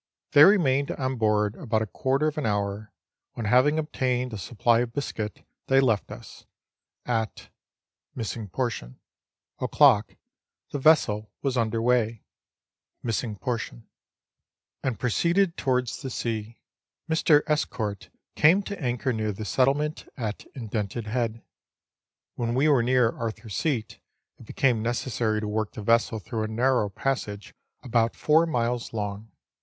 They remained on board about a quarter of an hour, when having obtained a supply of biscuit, they left us. At o'clock, the vessel was under weigh .. and proceeded towards the sea. Mr. Escoart came to anchor near the settlement at Indented Head, When we were near Arthur's Seat it became necessary to work the vessel through a narrow passage about four miles long.